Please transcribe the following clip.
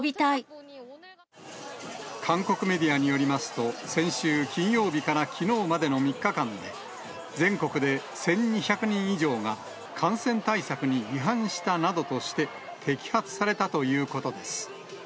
韓国メディアによりますと、先週金曜日からきのうまでの３日間で、全国で１２００人以上が、感染対策に違反したなどとして、摘発されたということです。